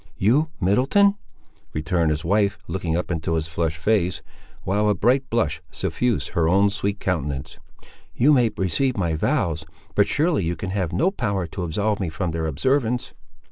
"You, Middleton!" returned his wife looking up into his flushed face, while a bright blush suffused her own sweet countenance; "you may receive my vows, but surely you can have no power to absolve me from their observance!"